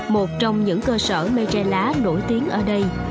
một trong những cơ sở mây tre lá nổi tiếng ở đây